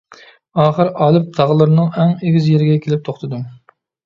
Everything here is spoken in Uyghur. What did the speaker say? ئاخىر ئالىپ تاغلىرىنىڭ ئەڭ ئېگىز يېرىگە كېلىپ توختىدىم.